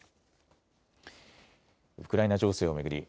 ウクライナ情勢を巡り